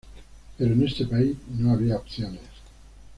Pero en este país no había opciones".